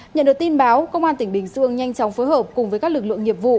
nhận được tin báo công an tỉnh bình dương nhanh chóng phối hợp cùng với các lực lượng nghiệp vụ